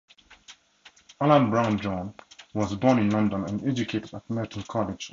Alan Brownjohn was born in London and educated at Merton College, Oxford.